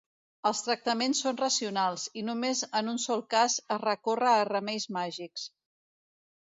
Els tractaments són racionals, i només en un sol cas es recorre a remeis màgics.